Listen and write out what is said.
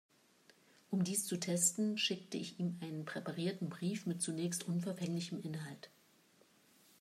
Um dies zu testen, schickte ich ihm einen präparierten Brief mit zunächst unverfänglichem Inhalt.